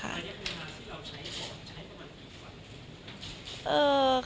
แล้วก็ยังไม่มีปัญหาที่เราใช้ใช้ประมาณกี่วัน